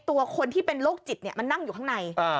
ตัวคนที่เป็นโรคจิตมันนั่งอยู่ข้างใน